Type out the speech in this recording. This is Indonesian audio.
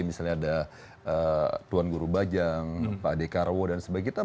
misalnya ada tuan guru bajang pak dekarwo dan sebagainya